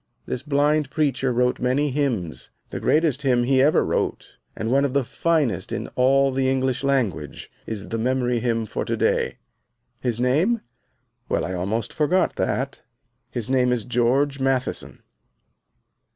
This blind preacher wrote many hymns. The greatest hymn he ever wrote, and one of the finest in all the English language, is the Memory Hymn for to day. His name? Well, I almost forgot that. His name is George Matheson.